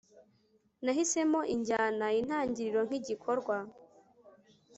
nahisemo injyana intangiriro nkigikorwa